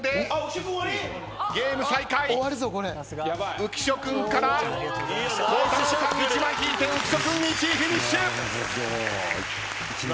浮所君から孝太郎さん１枚引いて浮所君１位フィニッシュ。